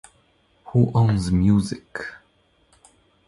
Who Owns Music?